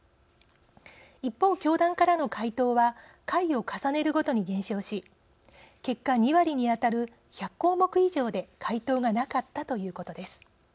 一方、教団からの回答は回を重ねるごとに減少し結果２割に当たる１００項目以上で回答がなかったということです。